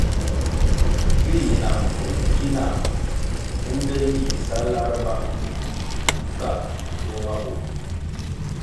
Vi yi na mbvulʼ ki na bunde yih sa lar ba ka mandtoh ma burʼ.